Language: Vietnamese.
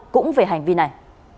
cũng về hành vi này